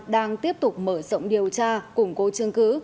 đang tiếp tục mở rộng điều tra củng cố chứng cứ